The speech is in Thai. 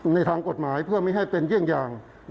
ในทางกฎหมายเพื่อไม่ให้เป็นเยี่ยงอย่าง